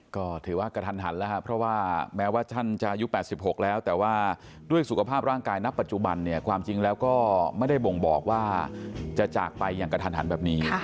ก็ถือว่ากระทันหันแล้วครับเพราะว่าแม้ว่าท่านจะอายุ๘๖แล้วแต่ว่าด้วยสุขภาพร่างกายณปัจจุบันเนี่ยความจริงแล้วก็ไม่ได้บ่งบอกว่าจะจากไปอย่างกระทันหันแบบนี้